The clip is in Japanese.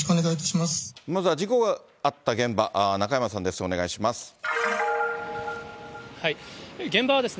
まずは事故があった現場、中山さんです、お願いします。